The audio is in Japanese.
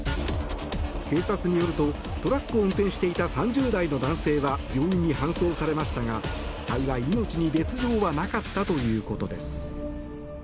警察によるとトラックを運転していた３０代の男性は病院に搬送されましたが幸い、命に別条はなかったということです。